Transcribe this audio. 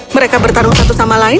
mereka bertarung satu sama lain